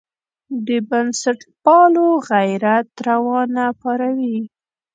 د بنسټپالو غیرت راونه پاروي.